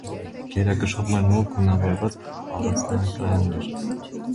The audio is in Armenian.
Գերակշռում են մուգ գունավորված առանձնյակները։